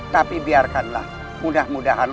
tapi biarkanlah mudah mudahan